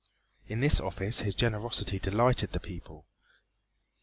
In this office his generosity delighted the people.